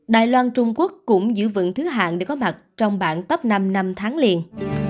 đài loan trung quốc cũng giữ vững thứ hạng để có mặt trong bảng top năm năm tháng liền